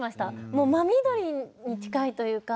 もう真緑に近いというか。